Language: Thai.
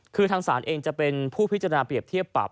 คือทางศาลเองจะเป็นผู้พิจารณาเปรียบเทียบปรับ